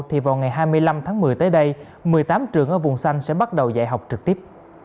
thì vào ngày hai mươi năm tháng một mươi tới đây một mươi tám trường ở vùng xanh sẽ bắt đầu dạy học trực tiếp